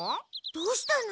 どうしたの？